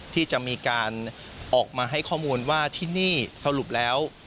ที่จะมีการออกมาให้ข้อมูลว่าที่นี่สรุปแล้ว